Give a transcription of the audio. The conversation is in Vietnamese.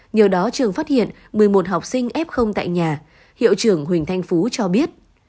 nhờ đó trường phát hiện một mươi một học sinh f tại nhà hiệu trưởng huỳnh thanh phú cho biết